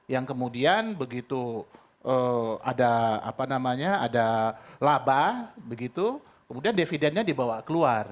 yang kemudian begitu ada apa namanya ada labah begitu kemudian devidennya dibawa keluar